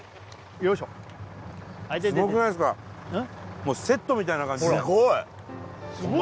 もうセットみたいな感じですっごい